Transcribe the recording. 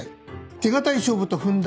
手堅い勝負と踏んだ